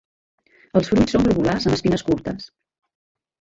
Els fruits són globulars amb espines curtes.